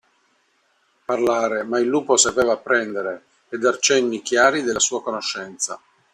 Parlare, ma il lupo sapeva apprendere, e dar cenni chiari della sua conoscenza.